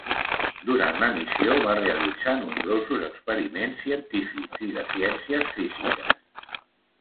Durant la missió, va realitzar nombrosos experiments científics i de ciències físiques.